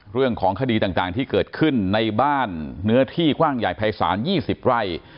เรื่องของคดีต่างที่เกิดขึ้นในบ้านเนื้อที่กว้างใหญ่ภายศาล๒๐ไร่